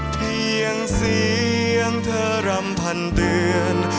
เสียงเธอรำพันเตือน